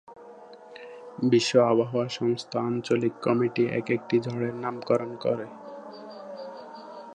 বিশ্ব আবহাওয়া সংস্থা আঞ্চলিক কমিটি একেকটি ঝড়ের নামকরণ করে।